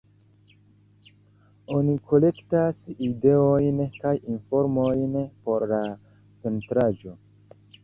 Oni kolektas ideojn kaj informojn por la pentraĵo.